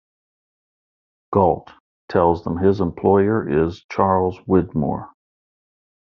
Gault tells them his employer is Charles Widmore.